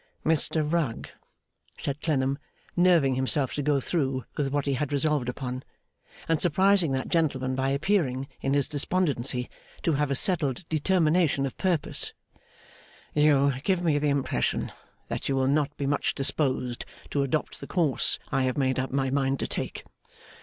'Mr Rugg,' said Clennam, nerving himself to go through with what he had resolved upon, and surprising that gentleman by appearing, in his despondency, to have a settled determination of purpose; 'you give me the impression that you will not be much disposed to adopt the course I have made up my mind to take.